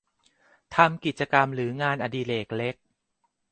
ทำกิจกรรมหรืองานอดิเรกเล็ก